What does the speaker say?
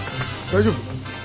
大丈夫？